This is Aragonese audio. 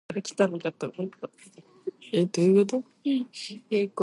Ixo lo faría cualsequiera si practicase de contino.